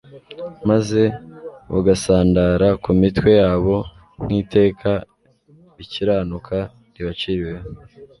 maze bugasandara ku mitwe yabo nk'iteka rikiranuka ribaciriweho.